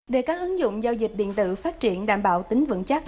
để các ứng dụng giao dịch điện tử phát triển đảm bảo tính vững chắc